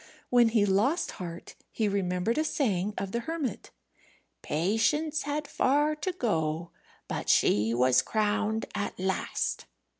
When he lost heart he remembered a saying of the hermit: "Patience had far to go, but she was crowned at last."